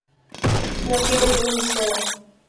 No quiero que eso suceda".